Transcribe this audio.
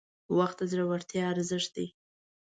• وخت د زړورتیا ارزښت دی.